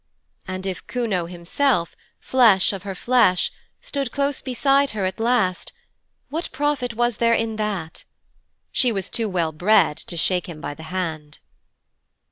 And if Kuno himself, flesh of her flesh, stood close beside her at last, what profit was there in that? She was too well bred to shake him by the hand.